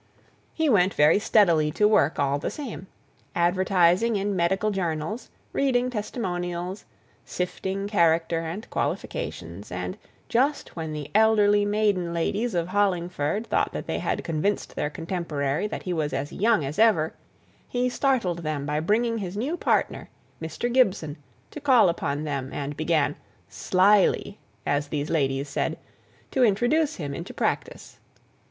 He went very steadily to work all the same; advertising in medical journals, reading testimonials, sifting character and qualifications; and just when the elderly maiden ladies of Hollingford thought that they had convinced their contemporary that he was as young as ever, he startled them by bringing his new partner, Mr. Gibson, to call upon them, and began "slyly," as these ladies said, to introduce him into practice.